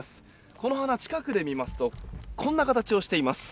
この花、近くで見ますとこんな形をしています。